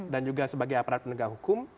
dan juga sebagai aparat penegak hukum